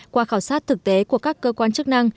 qua khảo sát thực tế của các cơ quan chức năng